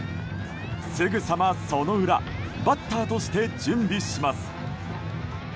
すぐさま、その裏バッターとして準備します。